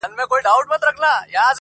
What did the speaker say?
چي پر ځان مو راوستلې تباهي ده -